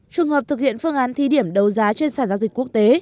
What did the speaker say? trường hợp thực hiện phương án thi điểm đấu giá trên sản giao dịch quốc tế